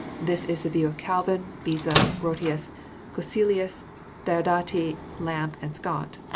This is the view of Calvin, Beza, Grotius, Cocceius, Diodati, Lampe, and Scott.